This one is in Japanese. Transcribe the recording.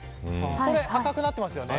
これ、赤くなってますよね。